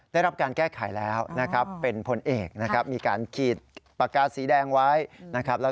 ได้รับการแก้ไขแล้วนะครับเป็นผลเอกนะครับ